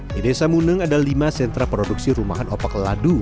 di desa muneng ada lima sentra produksi rumahan opak ladu